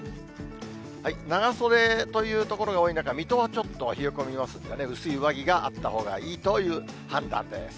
長袖というところが多い中、水戸はちょっと冷え込みますんでね、薄い上着があったほうがいいという判断です。